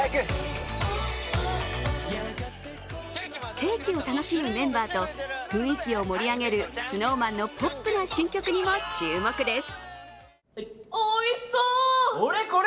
ケーキを楽しむメンバーと雰囲気を盛り上げるＳｎｏｗＭａｎのポップな新曲にも注目です。